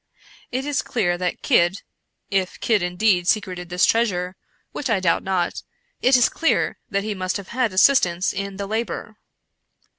It is clear that Kidd — if Kidd indeed secreted this treasure, which I doubt not — it is clear that he must have had assistance in the labor.